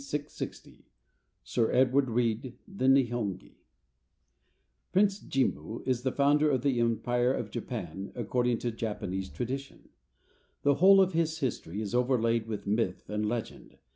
660 SIR EDWARD REED THE "NEHONGI" Prince Jimmu is the founder of the Empire of Japan, according to Japanese tradition. The whole of his history is overlaid with myth and legend.